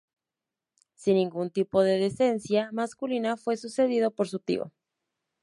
Sin ningún tipo de descendencia masculina, fue sucedido por su tío.